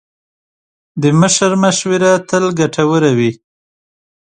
د مشر مشوره تل ګټوره وي.